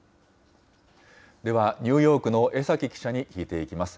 では、ニューヨークの江崎記者に聞いていきます。